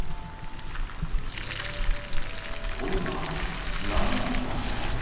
これはなんのぎゃくさいせい？